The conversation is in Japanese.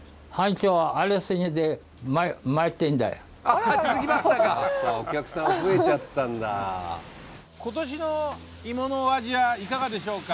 今年のいものお味はいかがでしょうか？